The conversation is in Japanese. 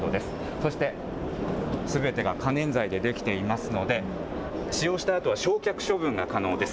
そしてすべてが可燃材で出来ていますので、使用したあとは焼却処分が可能です。